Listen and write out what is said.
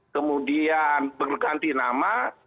kemudian berganti nama